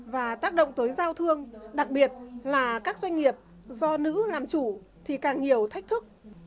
và tác động tới giao thương đặc biệt là các doanh nghiệp do nữ làm chủ thì càng nhiều thách thức